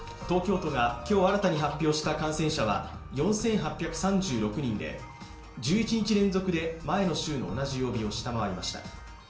東京都が今日新たに発表した感染者は４８３６人で１１日連続で前の週の同じ曜日を下回りました。